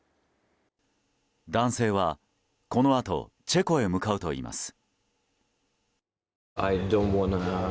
男性は、このあとチェコへ向かうといいます。